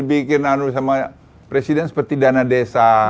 jutaan rakyat itu dibikin sama presiden seperti dana desa